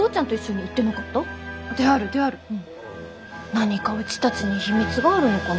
何かうちたちに秘密があるのかな？